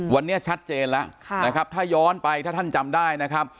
วันนี้ชัดเจนแล้วนะครับถ้าย้อนไปถ้าท่านจำได้นะครับ